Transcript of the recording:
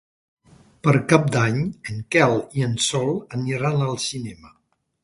Per Cap d'Any en Quel i en Sol aniran al cinema.